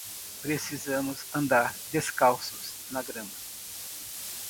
Precisamos andar descalços na grama.